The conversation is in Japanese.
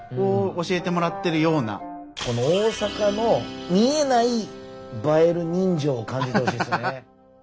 この大阪の見えない映える人情を感じてほしいですね。